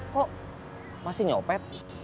kok masih nyopet